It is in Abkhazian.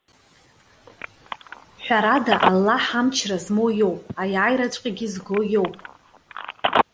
Ҳәарада, Аллаҳ амчра змоу иоуп, аиааираҵәҟьагьы зго иоуп.